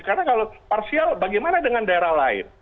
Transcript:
karena kalau parsial bagaimana dengan daerah lain